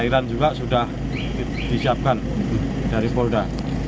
thailand juga sudah disiapkan dari polda